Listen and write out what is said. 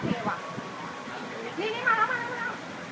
นี่นี้พังมาแล้ว